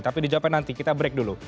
tapi dijawabkan nanti kita break dulu